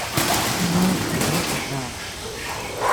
算啦，唔好嘈啦